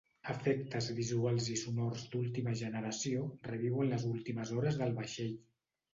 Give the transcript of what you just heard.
Efectes visuals i sonors d'última generació reviuen les últimes hores del vaixell.